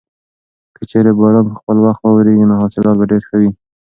که چېرې باران په خپل وخت وورېږي نو حاصلات به ډېر ښه وي.